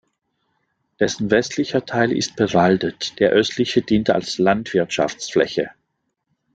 Dessen westlicher Teil ist bewaldet, der östliche dient als Landwirtschaftsfläche.